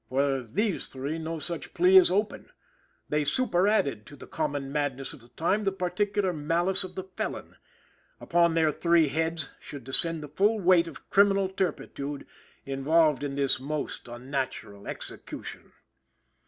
For these three no such plea is open. They superadded to the common madness of the time the particular malice of the felon. Upon their three heads should descend the full weight of criminal turpitude involved in this most unnatural execution.